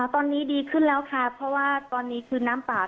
ตอนนี้ดีขึ้นแล้วค่ะเพราะว่าตอนนี้คือน้ำป่า